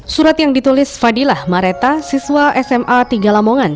surat yang ditulis fadilah mareta siswa sma tiga lamongan